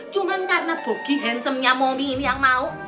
cuma karena bogey handsomenya momi ini yang mau